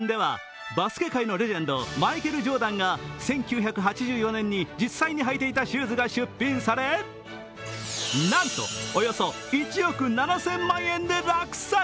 ところで、前日に行われた別のオークションではバスケ界のレジェンド、マイケル・ジョーダンが１９８４年に実際に履いていたシューズが出品され、なんと、およそ１億７０００万円で落札！